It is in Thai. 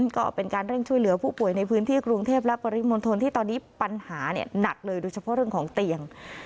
ก็เป็นการเร่งช่วยเหลือผู้ป่วยในพื้นที่กรุงเทพและปริมณฑลที่ตอนนี้ปัญหาหนักเลยโดยเฉพาะเรื่องของเตียง